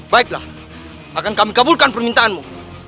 baiklah akan kami kabulkan permintaanmu